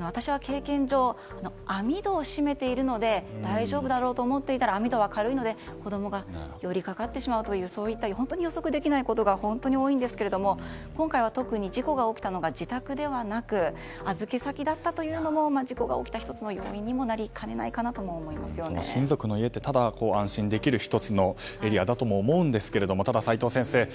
私は経験上網戸を閉めているので大丈夫だろうと思っていたら網戸は軽いので子供が寄りかかってしまうというようなそういった本当に予測できないことが多いんですけれども今回は特に事故が起きたのが自宅ではなく預け先だったというのも事故が起きた１つの要因にも親族の家って安心できる１つのエリアだとも思うんですけどただ、齋藤先生